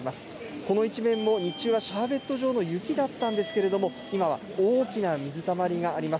この一面も日中はシャーベット状の雪だったんですけれども今は大きな水たまりがあります。